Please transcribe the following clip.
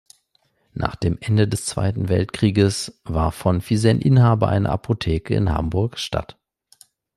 Nach dem Ende des Zweiten Weltkrieges war von Fisenne Inhaber einer Apotheke in Hamburg-St.